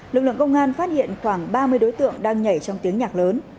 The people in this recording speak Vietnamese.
lực lượng công an phát hiện khoảng ba mươi đối tượng đang nhảy trong tiếng nhạc lớn